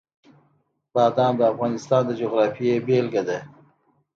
بادام د افغانستان د جغرافیې بېلګه ده.